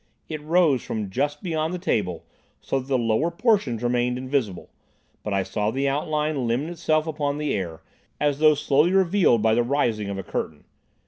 It rose from just beyond the table so that the lower portions remained invisible, but I saw the outline limn itself upon the air, as though slowly revealed by the rising of a curtain.